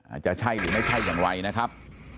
อาจจะใช่หรือไม่ใช่อย่างไรนะครับ